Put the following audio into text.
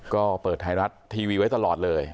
ก็เปิดไทยรัฐทีวีไว้ตลอดเลย